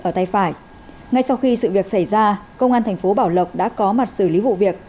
ở tay phải ngay sau khi sự việc xảy ra công an thành phố bảo lộc đã có mặt xử lý vụ việc